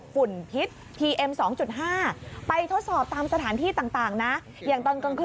อยู่ในระดับที่โอ้โฮ